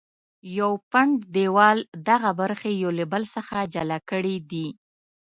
یو پنډ دیوال دغه برخې له یو بل څخه جلا کړې دي.